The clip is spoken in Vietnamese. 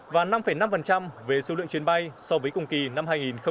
và năm năm về số lượng chuyến bay so với cùng kỳ năm hai nghìn hai mươi ba